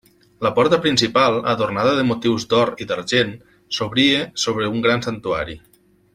La porta principal, adornada de motius d'or i d'argent, s'obria sobre un gran santuari.